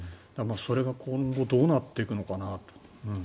それが今後どうなっていくのかなと。